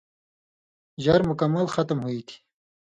ژر مکمل ختم ہُوئ تھی